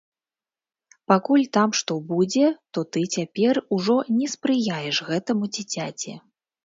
Пакуль там што будзе, то ты цяпер ужо не спрыяеш гэтаму дзіцяці.